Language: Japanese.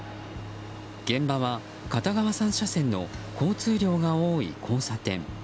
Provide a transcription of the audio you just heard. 現場は片側３車線の交通量が多い交差点。